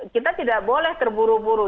kita tidak boleh terburu buru